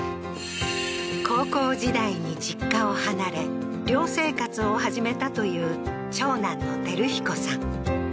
高校時代に実家を離れ寮生活を始めたという長男の照彦さん